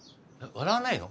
笑わないの？